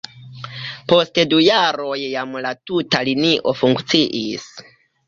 Post du jaroj jam la tuta linio funkciis.